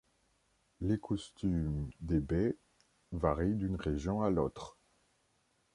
Les costumes des Bai varient d'une région à l'autre.